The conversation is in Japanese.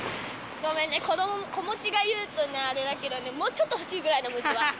ごめんね、子持ちが言うとね、あれだけどね、もうちょっと欲しいぐらい、うちは。